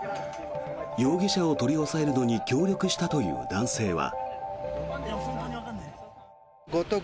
容疑者を取り押さえるのに協力したという男性は。